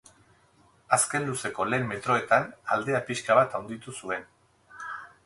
Azken luzeko lehen metroetan aldea pixka bat handitu zuen.